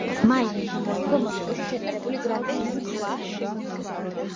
მაისში მოიგო მოსკოვში ჩატარებული გრანდ სლემის ტურნირი.